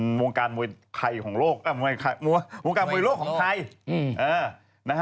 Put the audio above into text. หมวงการมวยไข่ของโลกหรือหมวงการมวยโลกของไทย